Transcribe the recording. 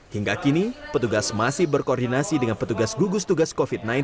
hingga kini petugas masih berkoordinasi dengan petugas gugus tugas covid sembilan belas